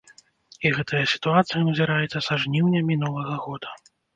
І гэтая сітуацыя назіраецца са жніўня мінулага года!